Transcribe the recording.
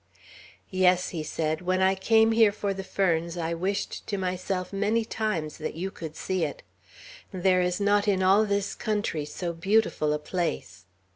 "Yes," he said, "when I came here for the ferns, I wished to myself many times that you could see it. There is not in all this country so beautiful a place.